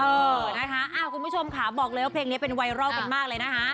เออนะคะคุณผู้ชมค่ะบอกเลยว่าเพลงนี้เป็นไวรัลกันมากเลยนะคะ